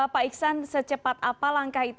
pak iksan secepat apa langkah itu